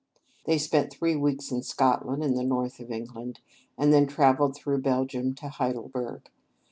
They spent three weeks in Scotland and the north of England, and then travelled through Belgium to Heidelberg.